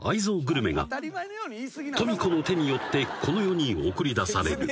［登美子の手によってこの世に送り出される］